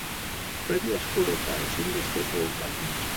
Premiazko eta ezinbesteko baldintza.